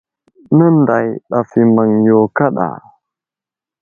Nənday ɗaf i maŋ yo kaɗa.